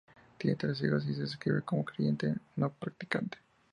Tiene tres hijos y se describe como creyente no practicante.